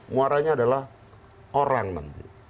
muaranya adalah orang nanti